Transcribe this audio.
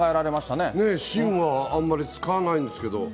ねえ、芯はあんまり使わないんですけど。